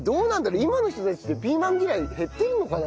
今の人たちってピーマン嫌い減ってるのかな？